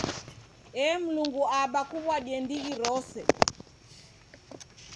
Ee, Mlungu Aba kuw'adie ndighi rose!